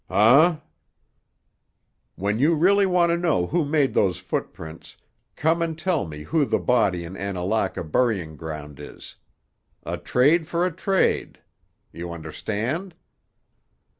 "Huh?" "When you really want to know who made those footprints, come and tell me who the body in Annalaka burying ground is. A trade for a trade. You understand?"